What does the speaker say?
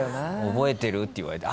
「覚えてる？」って言われて。